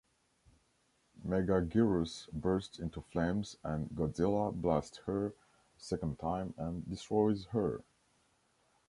Megaguirus bursts into flames and Godzilla blasts her a second time and destroys her.